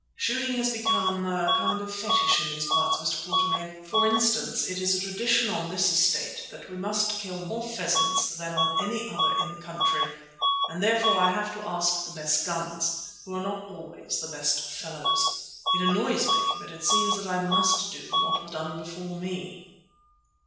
Shooting has become a kind of fetish in these parts, Mr. Quatermain. For instance, it is a tradition on this estate that we must kill more pheasants than on any other in the country, and therefore I have to ask the best guns, who are not always the best fellows. It annoys me, but it seems that I must do what was done before me."